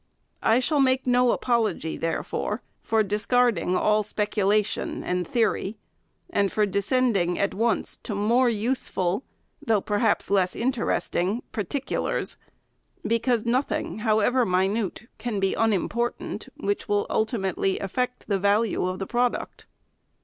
I shall make no apology, therefore, for discarding all specula tion and theory, and for descending at once to more use ful, though perhaps less interesting particulars ; because nothing, however minute, can be unimportant, which will ultimately affect the value of the product.